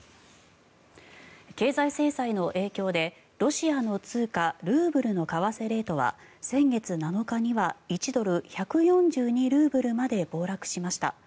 経済制裁の影響でロシアの通貨・ルーブルの為替レートは先月７日には１ドル＝１４２ルーブルまで暴落しました。